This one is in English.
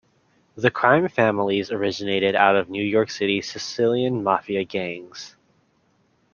The crime families originated out of New York City Sicilian Mafia gangs.